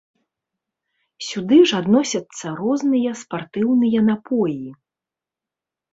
Сюды ж адносяцца розныя спартыўныя напоі.